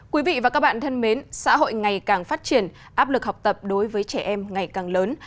quý vị và các bạn thân mến xã hội ngày càng phát triển áp lực học tập đối với trẻ em ngày càng lớn